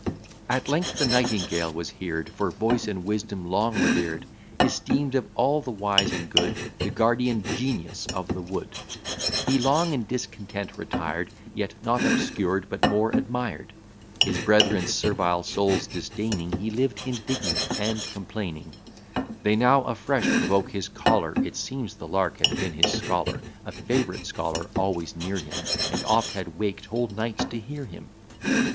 At length the Nightingale was heard, For voice and wisdom long revered, Esteem'd of all the wise and good, The Guardian Genius of the wood: He long in discontent retired, Yet not obscured, but more admired: His brethren's servile souls disdaining, He lived indignant and complaining: They now afresh provoke his choler, (It seems the Lark had been his scholar, A favourite scholar always near him, And oft had waked whole nights to hear him.)